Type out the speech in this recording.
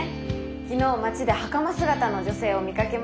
昨日街ではかま姿の女性を見かけました。